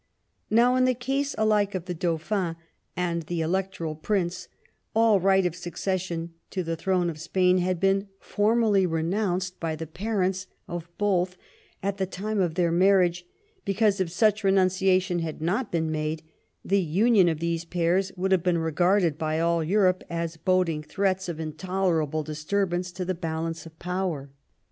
Now, in the case alike of the Dauphin and the Electoral Prince all right of succession to the throne of Spain had been formally renounced by the parents of both at the time of their marriage because, if such renuncia tion had not been made, the union of these pairs would have been regarded by all Europe as boding threats of intolerable disturbance to the balance of power.